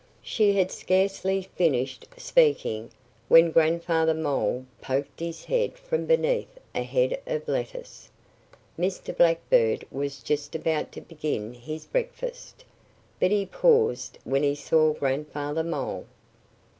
She had scarcely finished speaking when Grandfather Mole poked his head from beneath a head of lettuce. Mr. Blackbird was just about to begin his breakfast. But he paused when he saw Grandfather Mole.